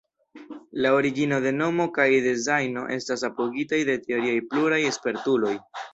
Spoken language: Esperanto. La origino de nomo kaj dezajno estas apogitaj de teorioj pluraj spertuloj.